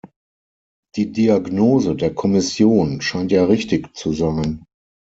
Die Diagnose der Kommission scheint ja richtig zu sein.